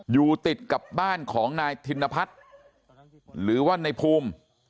อยู่ติดกับบ้านของนายธินพัฒน์หรือว่าในภูมิ